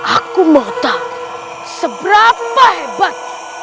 aku mau tahu seberapa hebat